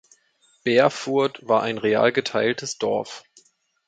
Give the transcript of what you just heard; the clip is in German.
Beerfurth war ein real geteiltes Dorf.